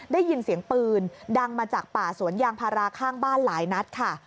ได้ยินเสียงปืนดังมาจากป่าสวนยางพาราข้างบ้านหลายนัดค่ะ